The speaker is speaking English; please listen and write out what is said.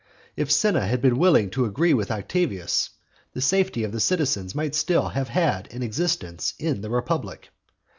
If Cinna had been willing to agree with Octavius, the safety of the citizens might still have had an existence in the republic.